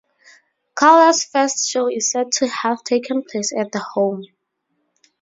Calder's first show is said to have taken place at the home.